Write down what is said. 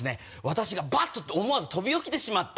私がバッと思わず飛び起きてしまった。